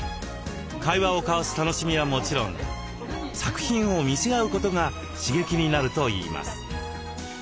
会話を交わす楽しみはもちろん作品を見せ合うことが刺激になるといいます。